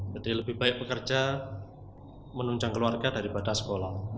jadi lebih banyak pekerja menunjang keluarga daripada sekolah